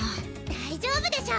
大丈夫でしょ！